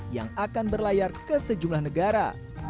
yang akan berlayar ke sejumlah negara